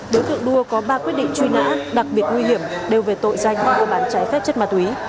đối tượng đua có ba quyết định truy nã đặc biệt nguy hiểm đều về tội danh mua bán trái phép chất ma túy